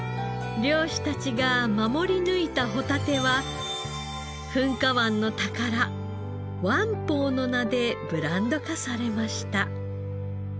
漁師たちが守り抜いたホタテは噴火湾の宝「湾宝」の名でブランド化されました。